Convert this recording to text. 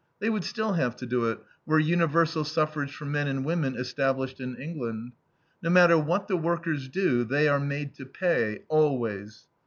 They would still have to do it, were universal suffrage for men and women established in England. No matter what the workers do, they are made to pay, always.